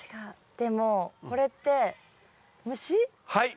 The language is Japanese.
でもこれってはい。